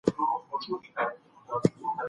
ترسره سوي وای؛ خو د پښتنو د وروسته پاتی والی